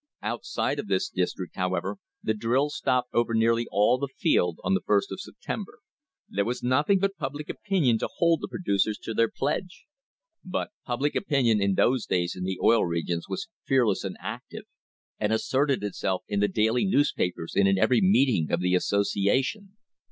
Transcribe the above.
Outside of this district, however, the drill stopped over nearly all the field on the first of September. There was nothing but public opinion to hold the producers to their pledge. But public opinion in those days in the Oil Regions was fearless and active and asserted itself in the daily newspapers and in every meeting of the association.